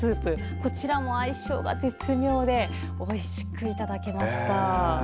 こちらも相性が絶妙でおいしくいただけました。